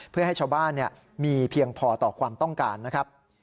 เพื่อให้ชาวบ้านมีเพียงพอต่อความต้องการนะครับ